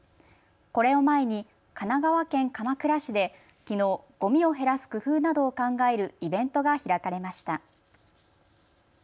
これを前に神奈川県鎌倉市できのう、ごみを減らす工夫などを考えるイベントが開かれました。